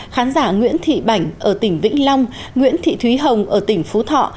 khán giả nguyễn thị bảnh ở tỉnh vĩnh long nguyễn thị thúy hồng ở tỉnh phú thọ